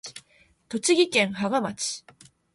栃木県芳賀町